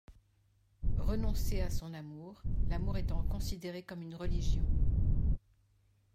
Renoncer à son amour, l'amour étant considéré comme une religion.